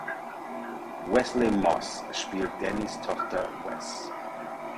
Wesley Moss spielt Dannys Tochter Wes.